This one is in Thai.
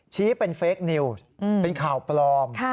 ชี้เป็นเฟคนิวส์เป็นข่าวปลอม